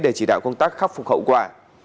để chỉ đạo công tác khắc phục hậu quả